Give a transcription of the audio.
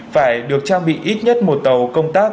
phải được trang bị ít nhất một tàu công tác